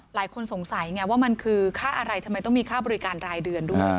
หลายคนสงสัยไงว่ามันคือค่าอะไรทำไมต้องมีค่าบริการรายเดือนด้วย